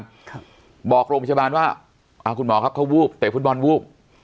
ครับบอกโรงพยาบาลว่าอ่าคุณหมอครับเขาวูบเตะฟุตบอลวูบ